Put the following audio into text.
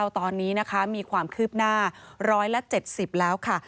ตอนนี้นะคะมีความคืบหน้า๑๗๐แล้วค่ะ